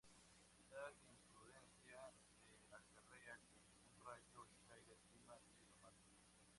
Tal imprudencia le acarrea que un rayo le caiga encima y lo mate.